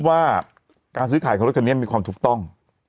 ว่าการซื้อขายของรถคันนี้มีความถูกต้อง